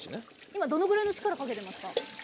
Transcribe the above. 今どのぐらいの力かけてますか？